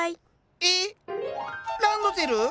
ええ⁉ランドセル？